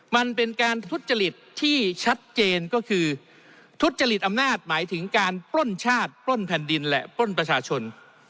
มันเป็นการทุจริตที่ชัดเจนก็คือทุจริตอำนาจหมายถึงการปล้นชาติปล้นแผ่นดินและปล้นประชาชน